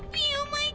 tidak saya mau